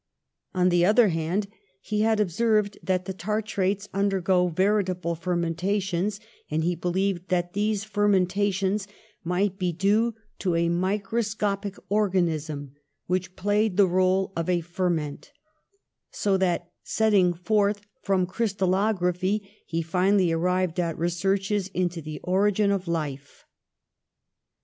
On the other hand^ 45 46 PASTEUR he had observed that the tartrates undergo veri table fermentations, and he believed that these fermentations might be due to a microscopic organism which pla3^ed the role of a ferment; so that, setting forth from crystalography, he finally arrived at researches into the origin of life.